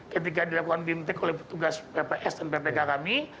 ketika dilakukan bimtek oleh petugas pps dan ptk kami